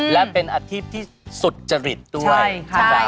และเป็นอาทิตย์ที่สุดจริตด้วย